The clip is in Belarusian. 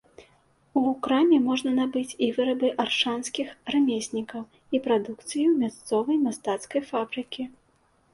У краме можна набыць і вырабы аршанскіх рамеснікаў, і прадукцыю мясцовай мастацкай фабрыкі.